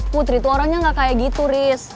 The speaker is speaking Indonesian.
putri itu orangnya gak kayak gitu riz